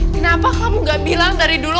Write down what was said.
kenapa kamu gak bilang dari dulu